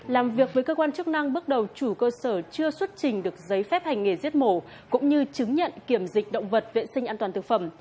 làm việc với cơ quan chức năng bước đầu chủ cơ sở chưa xuất trình được giấy phép hành nghề giết mổ cũng như chứng nhận kiểm dịch động vật vệ sinh an toàn thực phẩm